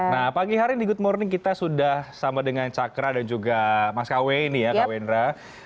nah pagi hari ini di good morning kita sudah sama dengan cakra dan juga mas kw ini ya kak wendra